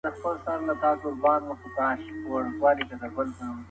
ایا والدین کولای سي مرسته وکړي؟